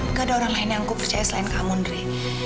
gak ada orang lain yang aku percaya selain kamu dre